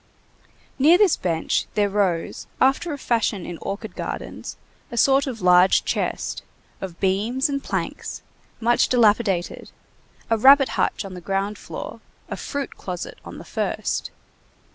Near this bench there rose, after the fashion in orchard gardens, a sort of large chest, of beams and planks, much dilapidated, a rabbit hutch on the ground floor, a fruit closet on the first.